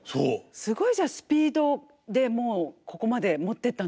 すごいスピードでもうここまで持っていったんですね。